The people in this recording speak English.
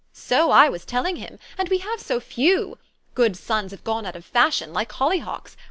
" So I was telling him. And we have so few! Good sons have gone out of fashion, like hollyhocks.